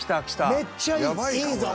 めっちゃいい。